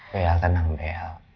bel tenang bel